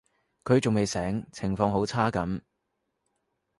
佢仲未醒，情況好差噉